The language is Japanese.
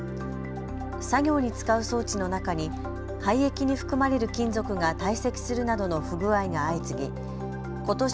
作業に使う装置の中に廃液に含まれる金属が堆積するなどの不具合が相次ぎことし